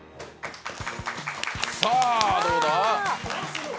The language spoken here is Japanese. さあ、どうだ？